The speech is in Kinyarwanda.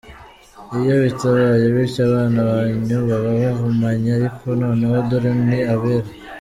Iyo bitabaye bityo abana banyu baba bahumanye, ariko noneho dore ni abera.